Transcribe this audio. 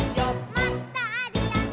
「もっとあるよね」